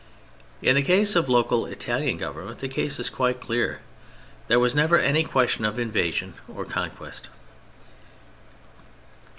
In the case of local Italian government the case is quite clear. There was never any question of "invasion" or "conquest."